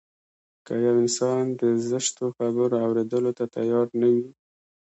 که يو انسان د زشتو خبرو اورېدو ته تيار نه وي.